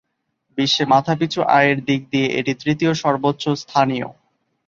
বিশ্বে মাথাপিছু আয়ের দিক দিয়ে এটি তৃতীয় সর্বোচ্চস্থানীয়।